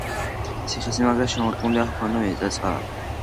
ციხესიმაგრეს შემორტყმული ჰქონდა მიწაყრილი.